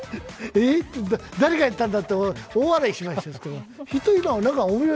誰がやったんだって大笑いしましたけど。